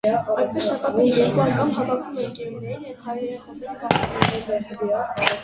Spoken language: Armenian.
Այդպես շաբաթը մի երկու անգամ հավաքում է ընկերուհիներին և հայերեն խոսել-կարդալ է սովորեցնում: